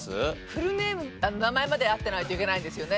フルネーム名前まで合ってないといけないんですよね？